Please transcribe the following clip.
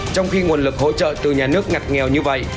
trong khi nguồn lực hỗ trợ từ nhà nước ngặt nghèo như vậy